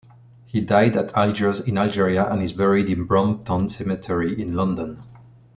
He died at Algiers in Algeria, and is buried in Brompton Cemetery in London.